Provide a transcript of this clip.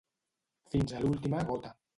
Fins a l'última gota.